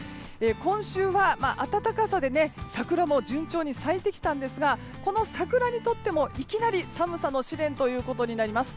今週は暖かさで桜も順調に咲いてきたんですがこの桜にとってもいきなり寒さの試練となります。